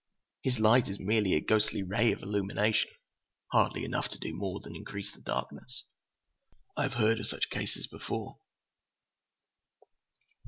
His light is merely a ghostly ray of illumination, hardly enough to do more than increase the darkness. I have heard of such cases before."